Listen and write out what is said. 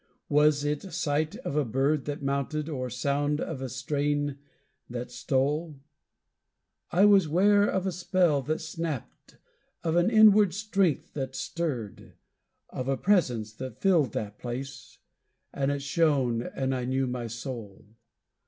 Was it sight of a bird that mounted, or sound of a strain that stole? I was 'ware of a spell that snapped, of an inward strength that stirred, Of a Presence that filled that place; and it shone, and I knew my Soul.